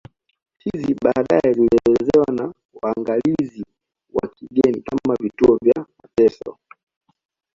Hizi baadae zilielezewa na waangalizi wa kigeni kama vituo vya mateso